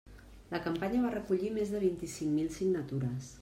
La campanya va recollir més de vint-i-cinc mil signatures.